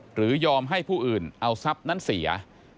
ยอมให้ผู้อื่นเอาทรัพย์นั้นเสีย